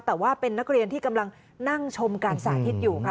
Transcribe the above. แต่ว่าเป็นนักเรียนที่กำลังนั่งชมการสาธิตอยู่ค่ะ